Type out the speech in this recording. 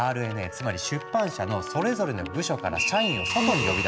つまり出版社のそれぞれの部署から社員を外に呼び出し